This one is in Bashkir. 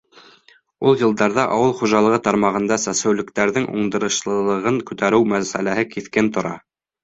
Ул йылдарҙа ауыл хужалығы тармағында сәсеүлектәрҙең уңдырышлылығын күтәреү мәсьәләһе киҫкен тора.